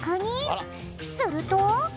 すると。